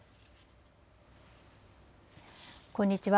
こんにちは。